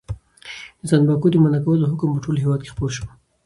د تنباکو د منع کولو حکم په ټول هېواد کې خپور شو.